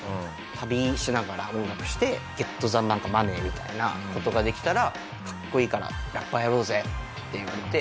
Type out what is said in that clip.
旅しながら音楽してゲット・ザ・マネーみたいな事ができたらかっこいいからラッパーやろうぜ！って言われて。